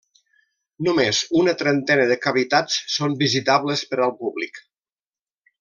Només una trentena de cavitats són visitables per al públic.